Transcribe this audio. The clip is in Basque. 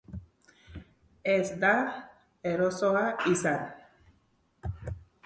Ez da erosoa izan.